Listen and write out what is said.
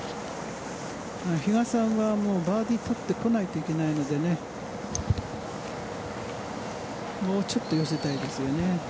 比嘉さんはバーディー取ってこないといけないのでもうちょっと寄せたいですよね。